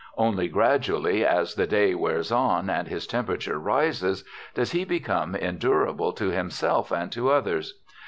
Only gradually, as the day wears on and his temperature rises, does he become endurable to himself and to others.